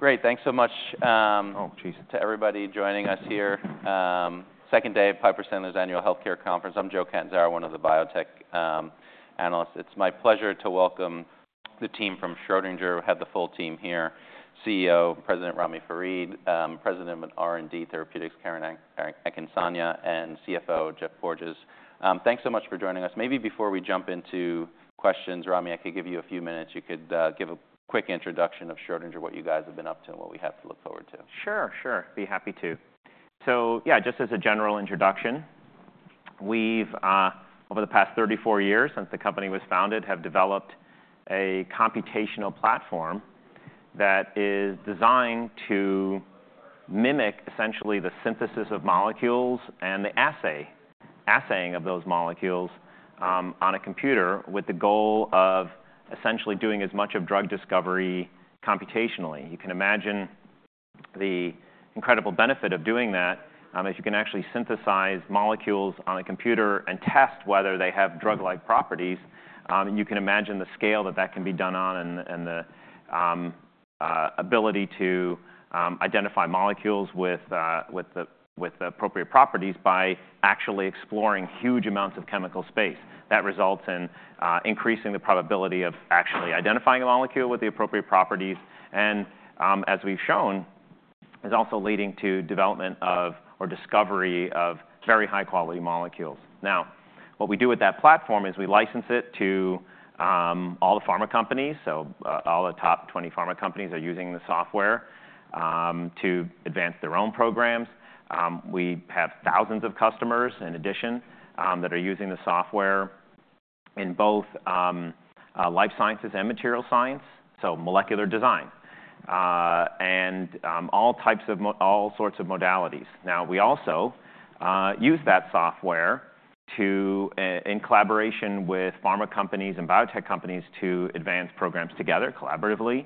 Great. Thanks so much, Oh, geez. To everybody joining us here. Second day of Piper Sandler's annual healthcare conference. I'm Joe Catanzaro, one of the biotech analysts. It's my pleasure to welcome the team from Schrödinger. We have the full team here: CEO and President Ramy Farid, President of R&D Therapeutics, Karen Akinsanya, and CFO, Geoff Porges. Thanks so much for joining us. Maybe before we jump into questions, Ramy, I could give you a few minutes. You could give a quick introduction of Schrödinger, what you guys have been up to, and what we have to look forward to. Sure, sure. Be happy to. So, yeah, just as a general introduction, we've over the past 34 years since the company was founded have developed a computational platform that is designed to mimic essentially the synthesis of molecules and the assay-assaying of those molecules on a computer with the goal of essentially doing as much of drug discovery computationally. You can imagine the incredible benefit of doing that, as you can actually synthesize molecules on a computer and test whether they have drug-like properties. You can imagine the scale that that can be done on and the ability to identify molecules with the appropriate properties by actually exploring huge amounts of chemical space. That results in increasing the probability of actually identifying a molecule with the appropriate properties. As we've shown, it's also leading to development of or discovery of very high-quality molecules. Now, what we do with that platform is we license it to all the pharma companies. So, all the top 20 pharma companies are using the software to advance their own programs. We have thousands of customers in addition that are using the software in both life sciences and material science, so molecular design and all types of all sorts of modalities. Now, we also use that software to in collaboration with pharma companies and biotech companies to advance programs together collaboratively.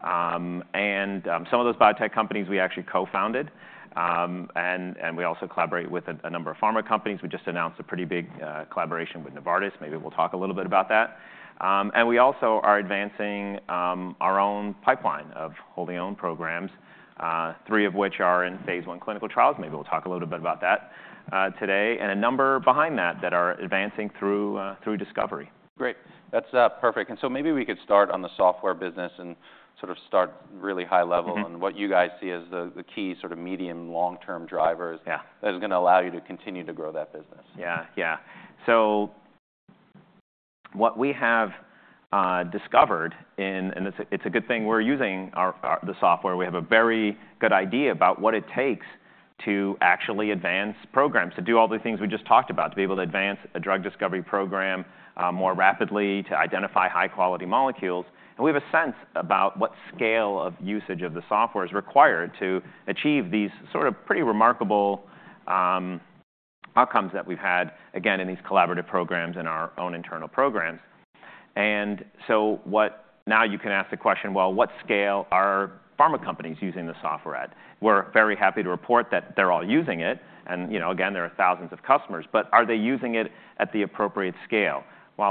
Some of those biotech companies we actually co-founded. We also collaborate with a number of pharma companies. We just announced a pretty big collaboration with Novartis. Maybe we'll talk a little bit about that. We also are advancing our own pipeline of wholly-owned programs, three of which are in phase one clinical trials. Maybe we'll talk a little bit about that today. And a number behind that that are advancing through discovery. Great. That's perfect. And so maybe we could start on the software business and sort of start really high level on what you guys see as the key sort of medium-long-term drivers. Yeah. That is gonna allow you to continue to grow that business. Yeah, yeah. So what we have discovered, and it's a good thing we're using our software, we have a very good idea about what it takes to actually advance programs, to do all the things we just talked about, to be able to advance a drug discovery program more rapidly, to identify high-quality molecules. We have a sense about what scale of usage of the software is required to achieve these sort of pretty remarkable outcomes that we've had, again, in these collaborative programs and our own internal programs. Now you can ask the question, well, what scale are pharma companies using the software at? We're very happy to report that they're all using it. You know, again, there are thousands of customers. But are they using it at the appropriate scale?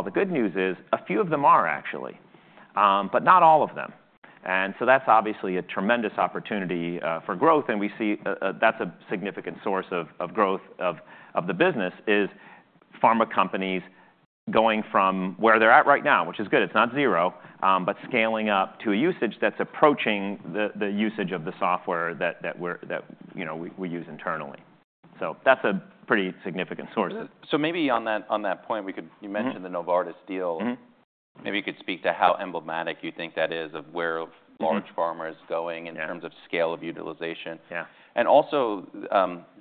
The good news is a few of them are, actually, but not all of them. That's obviously a tremendous opportunity for growth. We see that's a significant source of growth of the business: pharma companies going from where they're at right now, which is good. It's not zero, but scaling up to a usage that's approaching the usage of the software that we're, you know, we use internally. That's a pretty significant source. Maybe on that point, we could. You mentioned the Novartis deal. Mm-hmm. Maybe you could speak to how emblematic you think that is of where large pharma is going in terms of scale of utilization. Yeah. Also,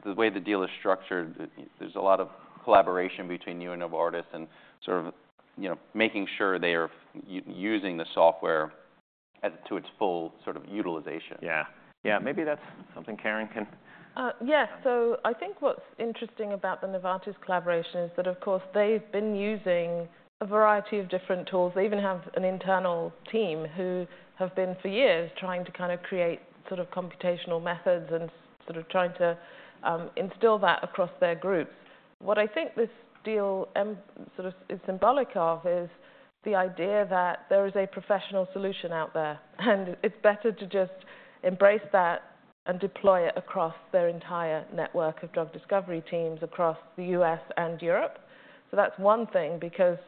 the way the deal is structured, there's a lot of collaboration between you and Novartis and sort of, you know, making sure they are using the software to its full sort of utilization. Yeah, yeah. Maybe that's something Karen can. Yeah, so I think what's interesting about the Novartis collaboration is that, of course, they've been using a variety of different tools. They even have an internal team who have been for years trying to kind of create sort of computational methods and sort of trying to install that across their groups. What I think this deal sort of is symbolic of is the idea that there is a professional solution out there. And it's better to just embrace that and deploy it across their entire network of drug discovery teams across the US and Europe. That's one thing because,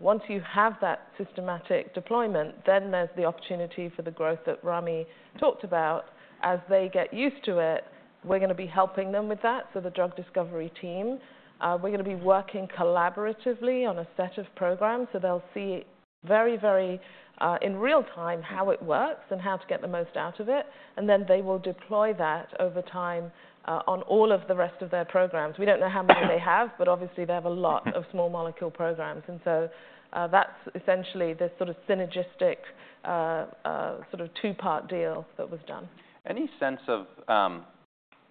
once you have that systematic deployment, then there's the opportunity for the growth that Ramy talked about. As they get used to it, we're gonna be helping them with that. So the drug discovery team, we're gonna be working collaboratively on a set of programs. So they'll see very, very, in real time how it works and how to get the most out of it. And then they will deploy that over time, on all of the rest of their programs. We don't know how many they have, but obviously they have a lot of small molecule programs. And so, that's essentially this sort of synergistic, sort of two-part deal that was done. Any sense of,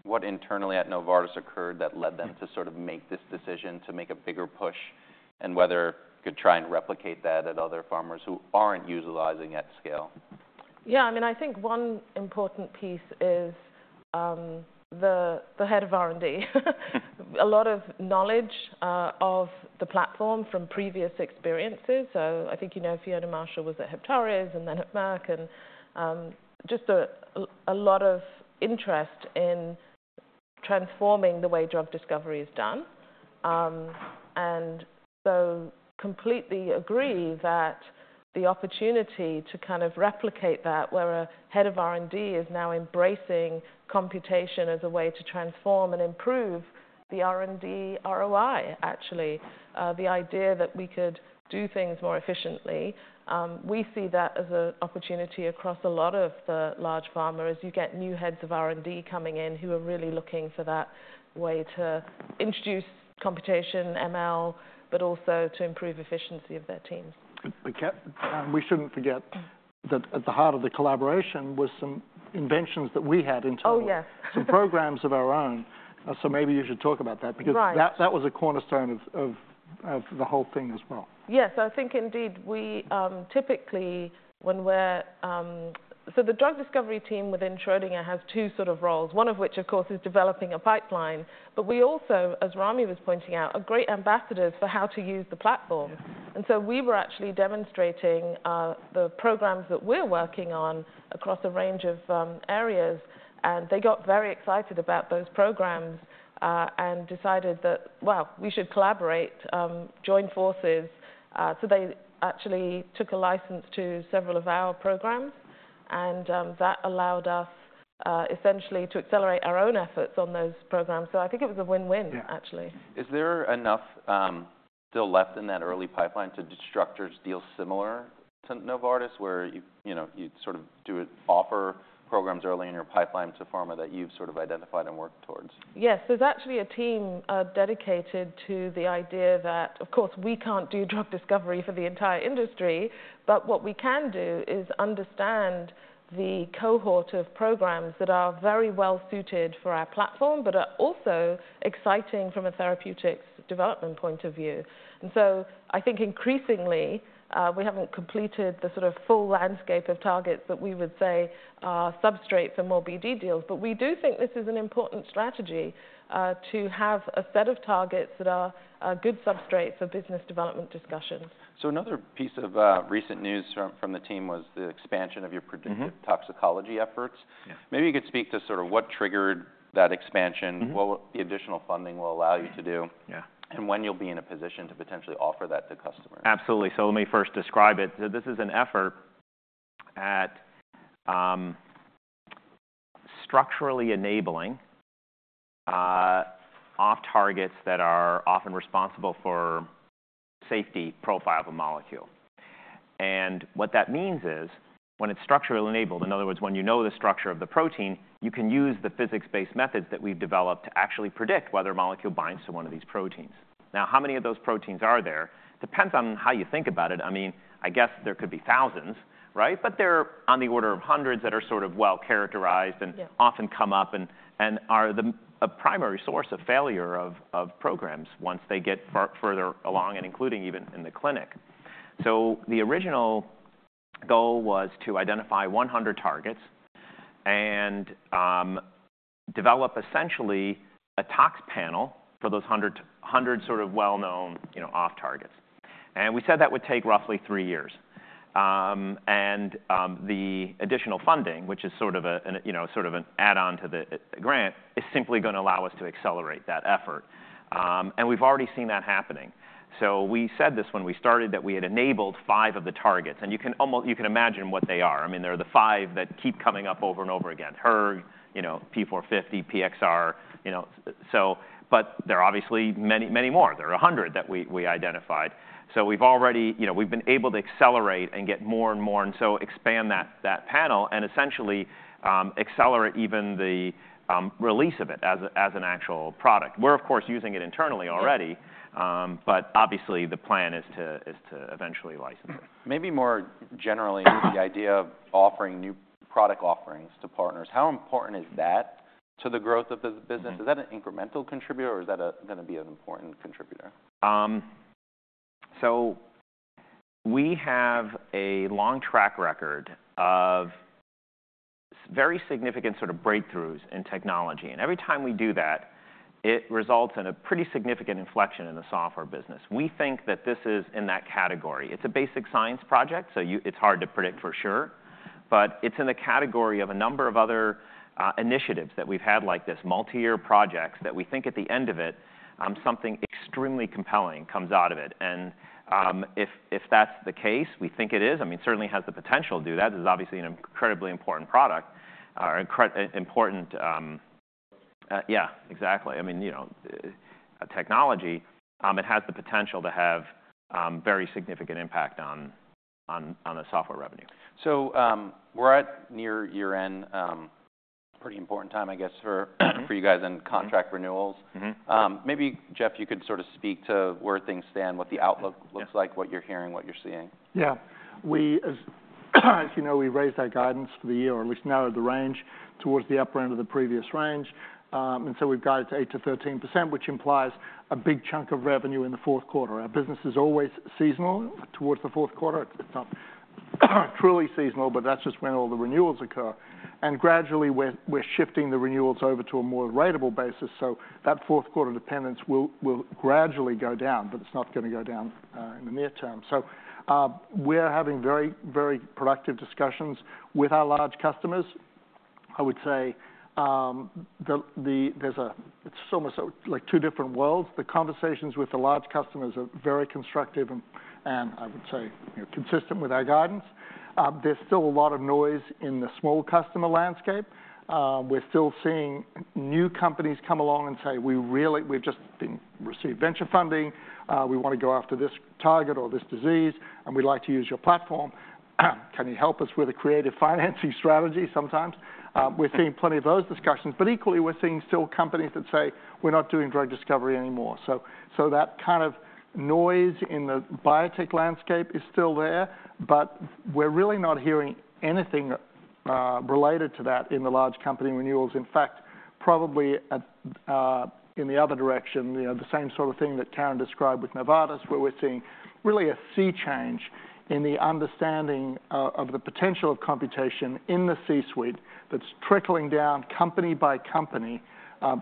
what internally at Novartis occurred that led them to sort of make this decision to make a bigger push and whether you could try and replicate that at other pharmas who aren't utilizing at scale? Yeah. I mean, I think one important piece is, the head of R&D, a lot of knowledge, of the platform from previous experiences. So I think, you know, Fiona Marshall was at Heptares and then at Merck and, just a lot of interest in transforming the way drug discovery is done. And so completely agree that the opportunity to kind of replicate that where a head of R&D is now embracing computation as a way to transform and improve the R&D ROI, actually, the idea that we could do things more efficiently. We see that as an opportunity across a lot of the large pharma as you get new heads of R&D coming in who are really looking for that way to introduce computation, ML, but also to improve efficiency of their teams. We can't, we shouldn't forget that at the heart of the collaboration were some inventions that we had internally. Oh, yes. Some programs of our own. So maybe you should talk about that because that was a cornerstone of the whole thing as well. Yes. I think indeed, typically when we're, so the drug discovery team within Schrödinger has two sort of roles, one of which, of course, is developing a pipeline. But we also, as Ramy was pointing out, are great ambassadors for how to use the platform. And so we were actually demonstrating the programs that we're working on across a range of areas. And they got very excited about those programs, and decided that, wow, we should collaborate, join forces, so they actually took a license to several of our programs. And that allowed us, essentially to accelerate our own efforts on those programs. So I think it was a win-win, actually. Is there enough still left in that early pipeline to structure a deal similar to Novartis where you know you sort of do offer programs early in your pipeline to pharma that you've sort of identified and worked towards? Yes. There's actually a team dedicated to the idea that, of course, we can't do drug discovery for the entire industry. But what we can do is understand the cohort of programs that are very well suited for our platform but are also exciting from a therapeutics development point of view. And so I think increasingly, we haven't completed the sort of full landscape of targets that we would say are substrate for more BD deals. But we do think this is an important strategy, to have a set of targets that are good substrate for business development discussions. Another piece of recent news from the team was the expansion of your predictive toxicology efforts. Yeah. Maybe you could speak to sort of what triggered that expansion, what the additional funding will allow you to do? Yeah. When you'll be in a position to potentially offer that to customers. Absolutely. So let me first describe it. So this is an effort at structural enabling off-targets that are often responsible for safety profile of a molecule. And what that means is when it's structurally enabled, in other words, when you know the structure of the protein, you can use the physics-based methods that we've developed to actually predict whether a molecule binds to one of these proteins. Now, how many of those proteins are there depends on how you think about it. I mean, I guess there could be thousands, right? But they're on the order of hundreds that are sort of well characterized and. Yeah. Often come up and are a primary source of failure of programs once they get further along, including even in the clinic. So the original goal was to identify 100 targets and develop essentially a tox panel for those 100 sort of well-known, you know, off-targets. And we said that would take roughly three years. The additional funding, which is sort of, you know, an add-on to the grant, is simply gonna allow us to accelerate that effort. And we've already seen that happening. So we said this when we started that we had enabled five of the targets. And you can almost imagine what they are. I mean, they're the five that keep coming up over and over again, hERG, you know, P450, PXR, you know, so. But there are obviously many, many more. There are 100 that we identified. So we've already, you know, we've been able to accelerate and get more and more and so expand that panel and essentially accelerate even the release of it as an actual product. We're, of course, using it internally already. But obviously the plan is to eventually license it. Maybe more generally the idea of offering new product offerings to partners. How important is that to the growth of the business? Is that an incremental contributor or is that gonna be an important contributor? We have a long track record of very significant sort of breakthroughs in technology. And every time we do that, it results in a pretty significant inflection in the software business. We think that this is in that category. It's a basic science project. So it's hard to predict for sure. But it's in the category of a number of other initiatives that we've had like this, multi-year projects that we think at the end of it, something extremely compelling comes out of it. And if that's the case, we think it is. I mean, it certainly has the potential to do that. This is obviously an incredibly important product, yeah, exactly. I mean, you know, technology, it has the potential to have very significant impact on the software revenue. So, we're at near year-end, pretty important time, I guess, for you guys and contract renewals. Mm-hmm. Maybe, Geoff, you could sort of speak to where things stand, what the outlook looks like, what you're hearing, what you're seeing. Yeah. We, as you know, we raised our guidance for the year, or at least now at the range, towards the upper end of the previous range. And so we've got it to 8%-13%, which implies a big chunk of revenue in the fourth quarter. Our business is always seasonal towards the fourth quarter. It's not truly seasonal, but that's just when all the renewals occur. And gradually we're shifting the renewals over to a more ratable basis. So that fourth quarter dependence will gradually go down, but it's not gonna go down in the near term. So, we're having very, very productive discussions with our large customers. I would say, there's a, it's almost like two different worlds. The conversations with the large customers are very constructive and, and I would say, you know, consistent with our guidance. There's still a lot of noise in the small customer landscape. We're still seeing new companies come along and say, "We really we've just received venture funding. We wanna go after this target or this disease, and we'd like to use your platform. Can you help us with a creative financing strategy?" Sometimes, we're seeing plenty of those discussions. But equally, we're seeing still companies that say, "We're not doing drug discovery anymore." So, so that kind of noise in the biotech landscape is still there. But we're really not hearing anything, related to that in the large company renewals. In fact, probably at, in the other direction, you know, the same sort of thing that Karen described with Novartis, where we're seeing really a sea change in the understanding of the potential of computation in the C-suite that's trickling down company by company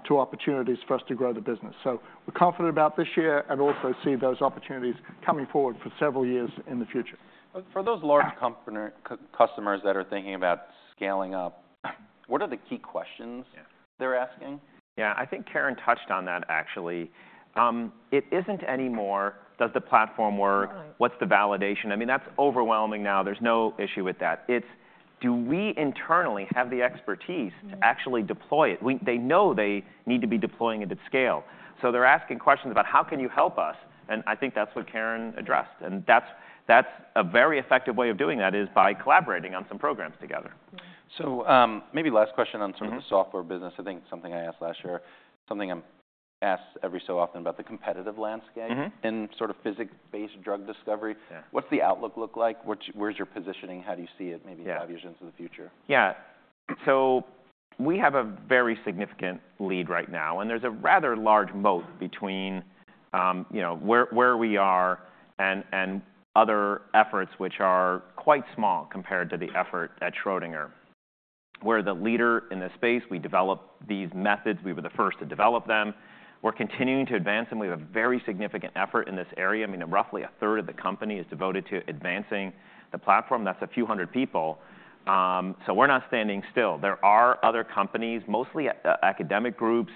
to opportunities for us to grow the business. So we're confident about this year and also see those opportunities coming forward for several years in the future. For those large company customers that are thinking about scaling up, what are the key questions they're asking? Yeah. I think Karen touched on that, actually. It isn't anymore, does the platform work? What's the validation? I mean, that's overwhelming now. There's no issue with that. It's do we internally have the expertise to actually deploy it? We they know they need to be deploying it at scale. So they're asking questions about how can you help us? And I think that's what Karen addressed. And that's, that's a very effective way of doing that is by collaborating on some programs together. So, maybe last question on sort of the software business. I think something I asked last year, something I'm asked every so often about the competitive landscape in sort of physics-based drug discovery. Yeah. What's the outlook like? Where's your positioning? How do you see it maybe five years into the future? Yeah. So we have a very significant lead right now. And there's a rather large moat between, you know, where we are and other efforts which are quite small compared to the effort at Schrödinger, where the leader in this space. We develop these methods. We were the first to develop them. We're continuing to advance them. We have a very significant effort in this area. I mean, roughly a third of the company is devoted to advancing the platform. That's a few hundred people, so we're not standing still. There are other companies, mostly academic groups.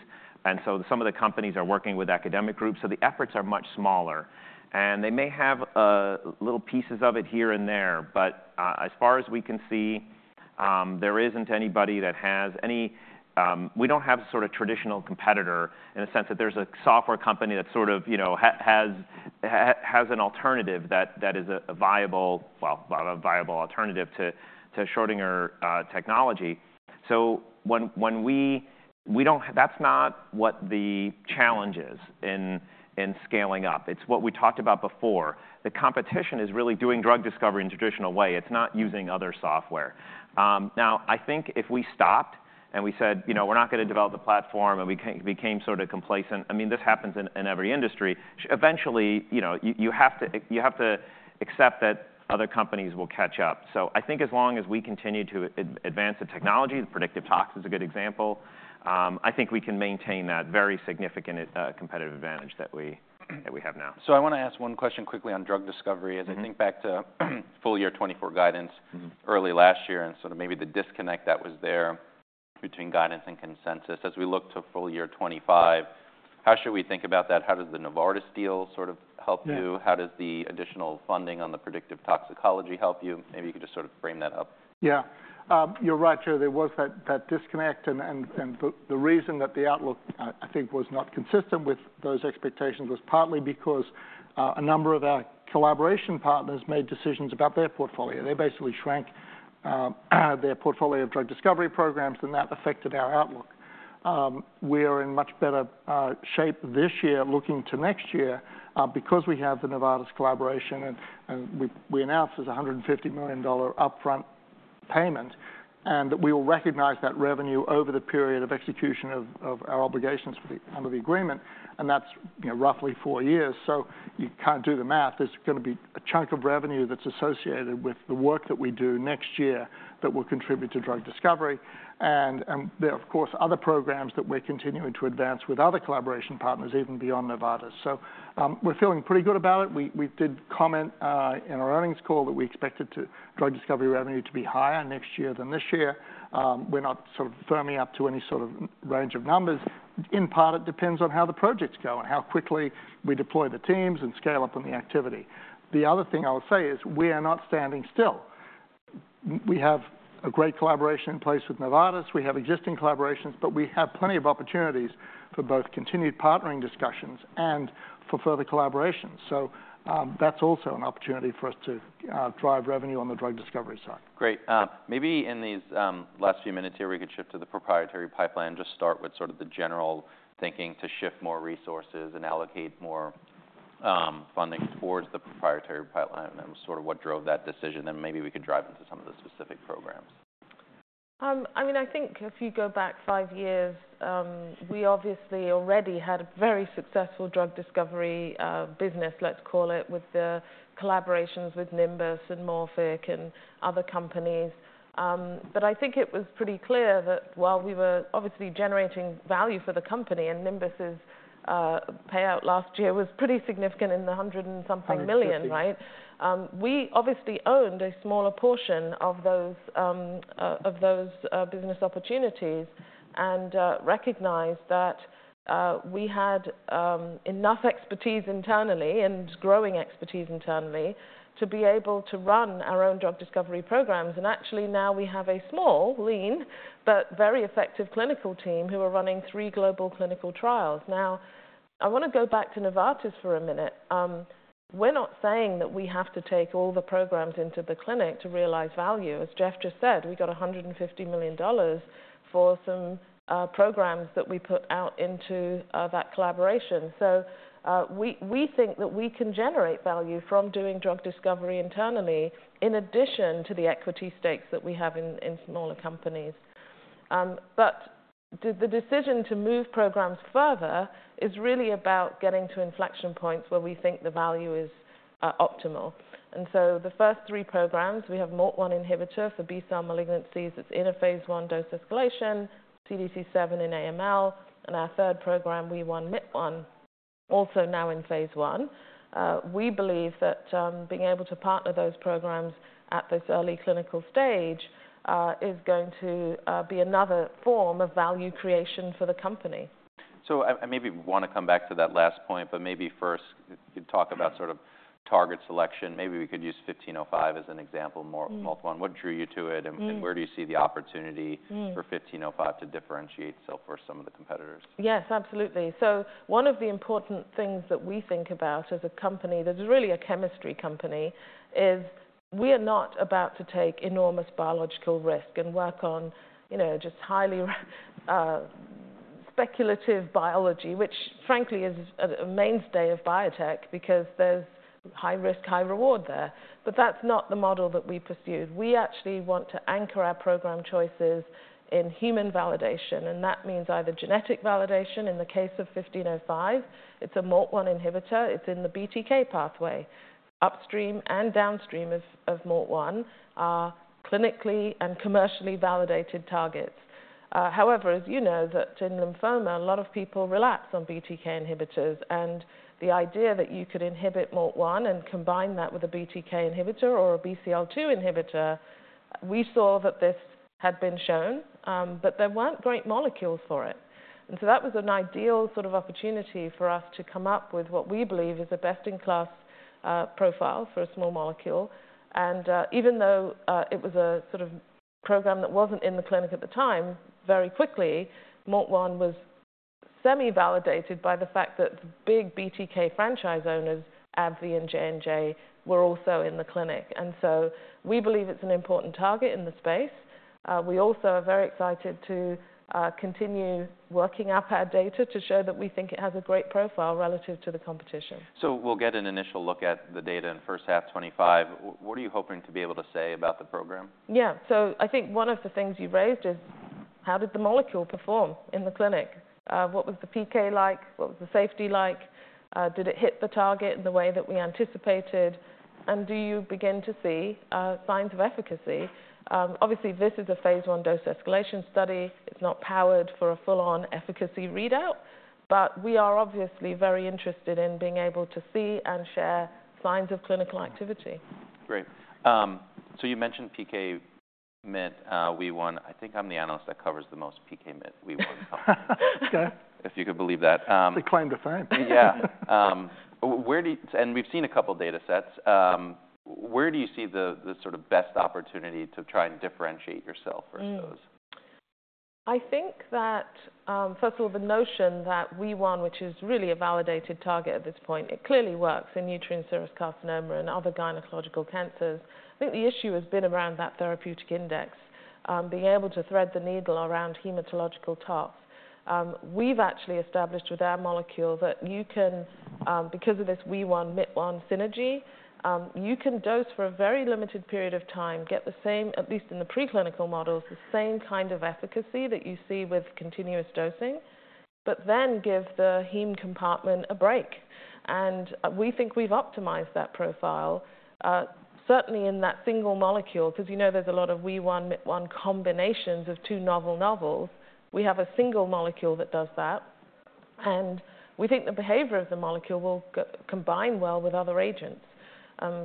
And so some of the companies are working with academic groups. So the efforts are much smaller. And they may have a little pieces of it here and there. As far as we can see, there isn't anybody that has any. We don't have sort of traditional competitor in the sense that there's a software company that sort of, you know, has an alternative that is a viable, well, a viable alternative to Schrödinger technology. So when we don't, that's not what the challenge is in scaling up. It's what we talked about before. The competition is really doing drug discovery in a traditional way. It's not using other software. Now, I think if we stopped and we said, you know, we're not gonna develop the platform and we can become sort of complacent, I mean, this happens in every industry. Eventually, you know, you have to accept that other companies will catch up. So I think as long as we continue to advance the technology, the predictive tox is a good example, I think we can maintain that very significant, competitive advantage that we, that we have now. I wanna ask one question quickly on drug discovery as I think back to full year 2024 guidance early last year and sort of maybe the disconnect that was there between guidance and consensus as we look to full year 2025. How should we think about that? How does the Novartis deal sort of help you? How does the additional funding on the predictive toxicology help you? Maybe you could just sort of frame that up. Yeah. You're right, Joe. There was that disconnect. And the reason that the outlook, I think, was not consistent with those expectations was partly because a number of our collaboration partners made decisions about their portfolio. They basically shrank their portfolio of drug discovery programs, and that affected our outlook. We are in much better shape this year looking to next year, because we have the Novartis collaboration and we announced there's a $150 million upfront payment and that we will recognize that revenue over the period of execution of our obligations under the agreement. And that's, you know, roughly four years. You can't do the math. There's gonna be a chunk of revenue that's associated with the work that we do next year that will contribute to drug discovery. There are, of course, other programs that we're continuing to advance with other collaboration partners even beyond Novartis. We're feeling pretty good about it. We did comment in our earnings call that we expected the drug discovery revenue to be higher next year than this year. We're not sort of firming up to any sort of range of numbers. In part, it depends on how the projects go and how quickly we deploy the teams and scale up on the activity. The other thing I'll say is we are not standing still. We have a great collaboration in place with Novartis. We have existing collaborations, but we have plenty of opportunities for both continued partnering discussions and for further collaboration. That's also an opportunity for us to drive revenue on the drug discovery side. Great. Maybe in these last few minutes here, we could shift to the proprietary pipeline and just start with sort of the general thinking to shift more resources and allocate more funding towards the proprietary pipeline and sort of what drove that decision, and maybe we could dive into some of the specific programs. I mean, I think if you go back five years, we obviously already had a very successful drug discovery business, let's call it, with the collaborations with Nimbus and Morphic and other companies, but I think it was pretty clear that while we were obviously generating value for the company and Nimbus's payout last year was pretty significant in the $100-something million, right? We obviously owned a smaller portion of those business opportunities and recognized that we had enough expertise internally and growing expertise internally to be able to run our own drug discovery programs, and actually now we have a small, lean but very effective clinical team who are running three global clinical trials. Now, I wanna go back to Novartis for a minute. We're not saying that we have to take all the programs into the clinic to realize value. As Jeff just said, we got $150 million for some programs that we put out into that collaboration. So, we think that we can generate value from doing drug discovery internally in addition to the equity stakes that we have in smaller companies, but the decision to move programs further is really about getting to inflection points where we think the value is optimal, and so the first three programs, we have MALT1 inhibitor for B-cell malignancies. It's in a phase one dose escalation, CDC7 in AML, and our third program, WEE1MIT1, also now in phase one. We believe that being able to partner those programs at this early clinical stage is going to be another form of value creation for the company. So I maybe wanna come back to that last point, but maybe first you could talk about sort of target selection. Maybe we could use 1505 as an example, MALT1. What drew you to it? And where do you see the opportunity for 1505 to differentiate itself from some of the competitors? Yes, absolutely. So one of the important things that we think about as a company that is really a chemistry company is we are not about to take enormous biological risk and work on, you know, just highly speculative biology, which frankly is a mainstay of biotech because there's high risk, high reward there. But that's not the model that we pursued. We actually want to anchor our program choices in human validation. And that means either genetic validation in the case of 1505. It's a MALT1 inhibitor. It's in the BTK pathway. Upstream and downstream of MALT1 are clinically and commercially validated targets. However, as you know, that in lymphoma, a lot of people relapse on BTK inhibitors. The idea that you could inhibit MALT1 and combine that with a BTK inhibitor or a BCL-2 inhibitor, we saw that this had been shown, but there weren't great molecules for it. Even though it was a sort of program that wasn't in the clinic at the time, very quickly, MALT1 was semi-validated by the fact that the big BTK franchise owners, AbbVie and J&J, were also in the clinic. We believe it's an important target in the space. We also are very excited to continue working up our data to show that we think it has a great profile relative to the competition. So we'll get an initial look at the data in first half 2025. What are you hoping to be able to say about the program? Yeah. So I think one of the things you raised is how did the molecule perform in the clinic? What was the PK like? What was the safety like? Did it hit the target in the way that we anticipated? And do you begin to see signs of efficacy? Obviously this is a phase one dose escalation study. It's not powered for a full-on efficacy readout, but we are obviously very interested in being able to see and share signs of clinical activity. Great. So you mentioned PKMYT1, WEE1. I think I'm the analyst that covers the most PKMYT1, WEE1. If you could believe that. It's a claim to fame. Yeah. Where do you and we've seen a couple of data sets. Where do you see the sort of best opportunity to try and differentiate yourself versus those? I think that, first of all, the notion that WEE1, which is really a validated target at this point, it clearly works in uterine serous carcinoma and other gynecological cancers. I think the issue has been around that therapeutic index, being able to thread the needle around hematological tox. We've actually established with our molecule that you can, because of this WEE1-PKMYT1 synergy, you can dose for a very limited period of time, get the same, at least in the preclinical models, the same kind of efficacy that you see with continuous dosing, but then give the heme compartment a break. And we think we've optimized that profile, certainly in that single molecule, 'cause you know, there's a lot of WEE1-PKMYT1 combinations of two novel molecules. We have a single molecule that does that. And we think the behavior of the molecule will combine well with other agents.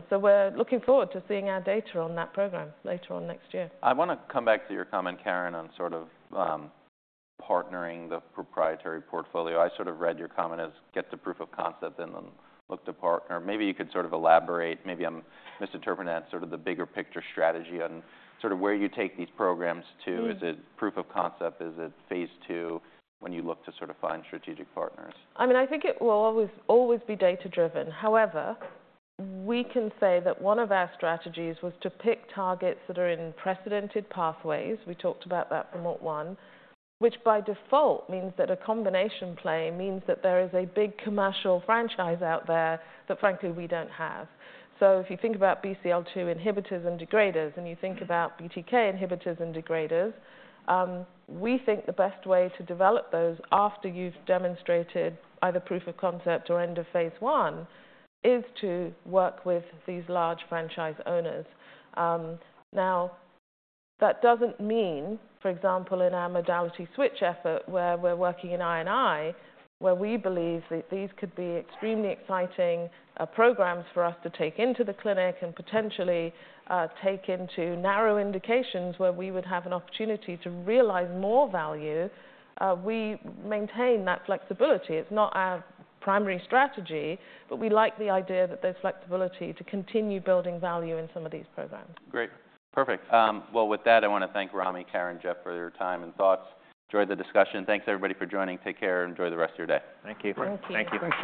So we're looking forward to seeing our data on that program later on next year. I wanna come back to your comment, Karen, on sort of partnering the proprietary portfolio. I sort of read your comment as get the proof of concept and then look to partner. Maybe you could sort of elaborate. Maybe I'm misinterpreting that sort of the bigger picture strategy on sort of where you take these programs to. Is it proof of concept? Is it phase two when you look to sort of find strategic partners? I mean, I think it will always, always be data-driven. However, we can say that one of our strategies was to pick targets that are in precedented pathways. We talked about that for MALT1, which by default means that a combination play that there is a big commercial franchise out there that frankly we don't have, so if you think about BCL-2 inhibitors and degraders and you think about BTK inhibitors and degraders, we think the best way to develop those after you've demonstrated either proof of concept or end of phase one is to work with these large franchise owners. Now that doesn't mean, for example, in our modality switch effort where we're working in I&I, where we believe that these could be extremely exciting, programs for us to take into the clinic and potentially, take into narrow indications where we would have an opportunity to realize more value, we maintain that flexibility. It's not our primary strategy, but we like the idea that there's flexibility to continue building value in some of these programs. Great. Perfect. Well, with that, I wanna thank Ramy, Karen, Joe for your time and thoughts. Enjoy the discussion. Thanks everybody for joining. Take care and enjoy the rest of your day. Thank you. Thank you.